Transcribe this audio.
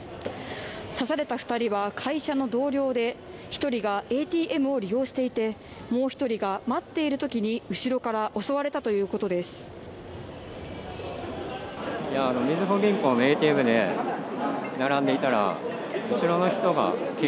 刺された２人は会社の同僚で、１人がＡＴＭを利用していてもう一人が待っているときに後ろから襲われたということです。